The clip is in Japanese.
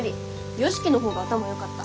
良樹の方が頭よかった。